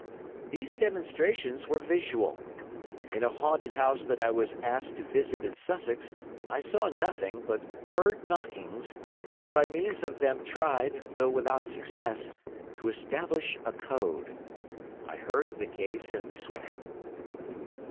These demonstrations were visual. In a haunted house that I was asked to visit in Sussex I saw nothing, but heard knockings, and by means of them tried, though without success, to establish a code. I heard of the case in this way.